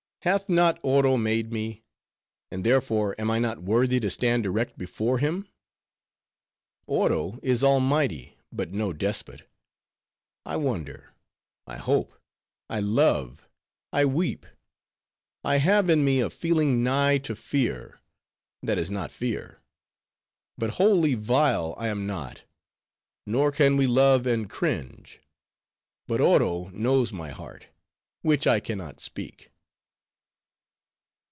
Hath not Oro made me? And therefore am I not worthy to stand erect before him? Oro is almighty, but no despot. I wonder; I hope; I love; I weep; I have in me a feeling nigh to fear, that is not fear; but wholly vile I am not; nor can we love and cringe. But Oro knows my heart, which I can not speak."